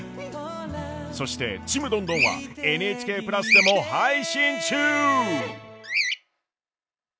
そして「ちむどんどん」は「ＮＨＫプラス」でも配信中！